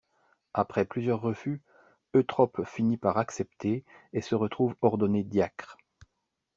Après plusieurs refus, Eutrope finit par accepter et se retrouve ordonné diacre.